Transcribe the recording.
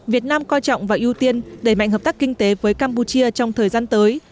việt nam coi trọng và ưu tiên đẩy mạnh hợp tác kinh tế với campuchia trong thời gian tới